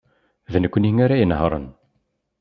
D nekkni ara inehṛen.